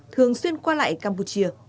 thường xuyên qua lại campuchia